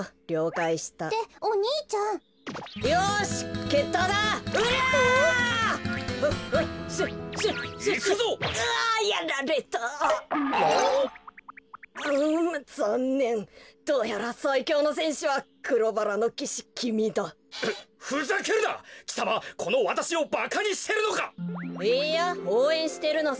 いいやおうえんしてるのさ。